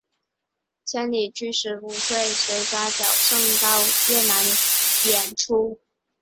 千里驹十五岁跟随扎脚胜到越南演出。